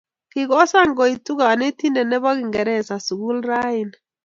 Kikosan koitu konetinte ne bo ngereza sukul raoni.